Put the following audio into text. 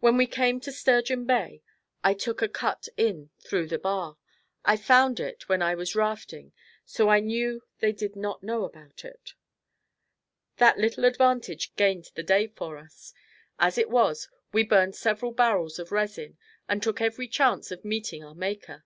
When we came to Sturgeon Bay, I took a cut in through the bar. I had found it when I was rafting so I knew they did not know about it. That little advantage gained the day for us. As it was, we burned several barrels of resin and took every chance of meeting our Maker.